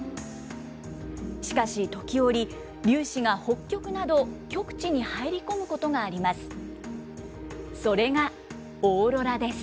しかし、時折、粒子が北極など極地に入り込むことがあります。